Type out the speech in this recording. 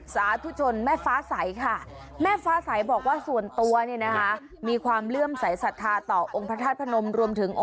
สาธุชนแม่ฟ้าใสค่ะแม่ฟ้าใสบอกว่าส่วนตัวเนี่ยนะคะมีความเลื่อมใสสัทธาต่อองค์พระธาตุพนมรวมถึง